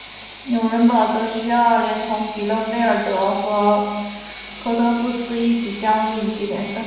纽伦堡则需要连同比勒费尔德和科特布斯一起降入乙级联赛。